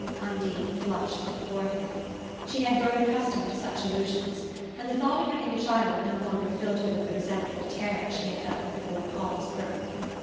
Undine flushed to the forehead. She had grown accustomed to such allusions and the thought of having a child no longer filled her with the resentful terror she had felt before Paul's birth.